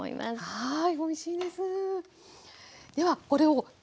はい。